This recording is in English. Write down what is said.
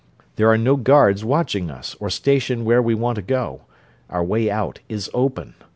There are no guards watching us, or stationed where we want to go our way out is open.